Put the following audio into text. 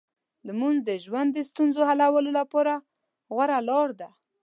لمونځ د ژوند د ستونزو حلولو لپاره غوره لار ده.